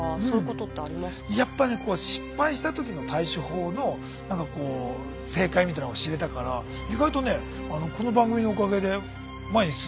やっぱりね失敗した時の対処法の何かこう正解みたいのを知れたから意外とねこの番組のおかげで前に進んでること多いのよ。